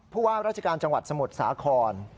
พอรัชกาลจังหวัดสมุทรสาคร